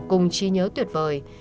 cùng chi nhớ tuyệt vời